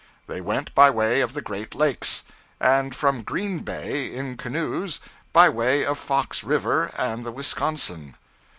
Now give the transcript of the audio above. They went by way of the Great Lakes; and from Green Bay, in canoes, by way of Fox River and the Wisconsin.